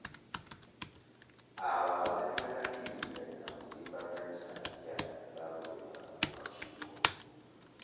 Abo abaali batakiriziganya na kuzimba kkanisa mpya baagobebwa ku kakiiko.